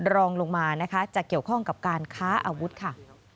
รองลงมานะคะจะเกี่ยวข้องกับการค้าอาวุธค่ะ